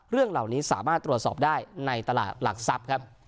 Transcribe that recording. เรื่องเหล่านี้สามารถตรวจสอบได้ในตลาดหลักทรัพย์ครับ